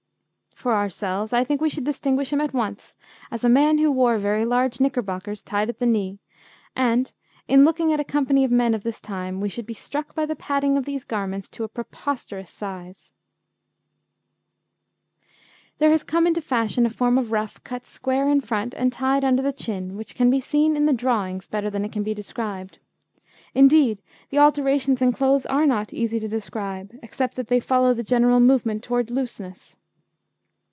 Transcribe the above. For ourselves, I think we should distinguish him at once as a man who wore very large knickerbockers tied at the knee, and, in looking at a company of men of this time, we should be struck by the padding of these garments to a preposterous size. [Illustration: {Three men of the time of James I.; three types of shoe; one type of boot}] There has come into fashion a form of ruff cut square in front and tied under the chin, which can be seen in the drawings better than it can be described; indeed, the alterations in clothes are not easy to describe, except that they follow the general movement towards looseness.